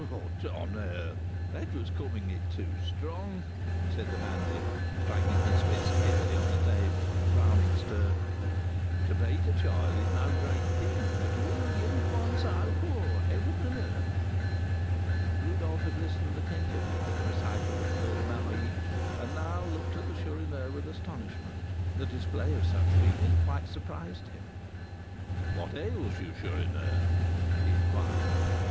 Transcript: "Tonnerre! that was coming it too strong," said the bandit, striking his fist heavily on the table, and frowning sternly. "To beat a child is no such great thing, but to ill use one so Heaven and earth!" Rodolph had listened attentively to the recital of Fleur de Marie, and now looked at the Chourineur with astonishment: the display of such feeling quite surprised him. "What ails you, Chourineur?" he inquired.